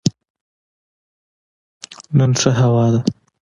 نن ښه هوا ده